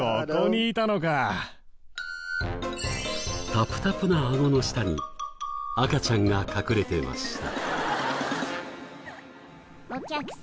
たぷたぷなアゴの下に赤ちゃんが隠れてました。